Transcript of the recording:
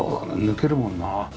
抜けるもんな。